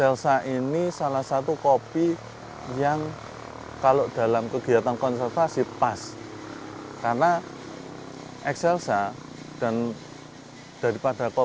lebih ekstra lagi ini yang membedakan kenapa kami memilih ekstra ekstra karena untuk konservasi sangat cocok